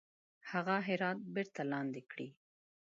هغه هرات بیرته لاندي کړي.